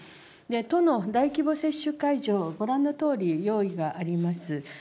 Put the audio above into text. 都の大規模接種会場、ご覧のとおり、用意があります。